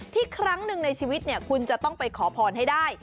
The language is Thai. ครั้งหนึ่งในชีวิตคุณจะต้องไปขอพรให้ได้